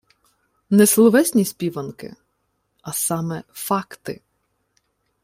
Не словесні співанки, а саме – факти